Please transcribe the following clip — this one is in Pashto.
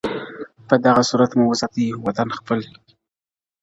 په دغه صورت مو وساتی وطن خپل-